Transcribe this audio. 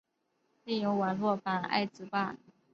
另有网络版爱词霸。